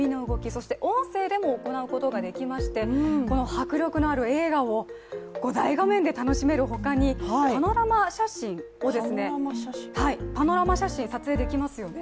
そして音声でも行うことができましてこの迫力のある映画を大画面で楽しめるほかにパノラマ写真、撮影できますよね。